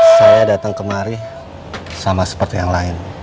saya datang kemari sama seperti yang lain